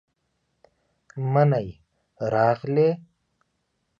منی راغلې،